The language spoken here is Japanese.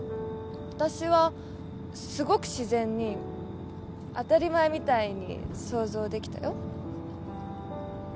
私はすごく自然に当たり前みたいに想像できたよ